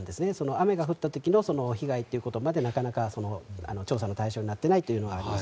雨が降った時の被害ということまで調査の対象になっていないというのがあります。